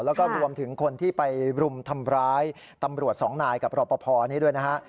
แล้วก็รวมถึงคนที่ไปรุมทำร้ายตำรวจสองนายกับรอปภนี้ด้วยนะฮะ